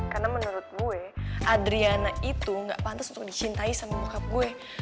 karena menurut gue adriana itu gak pantas untuk dicintai sama mukab gue